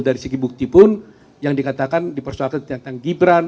dari segi bukti pun yang dikatakan dipersoalkan tentang gibran